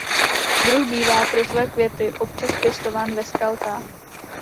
Druh bývá pro své květy občas pěstován ve skalkách.